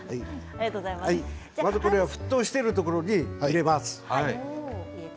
まず、これを沸騰しているところに入れます。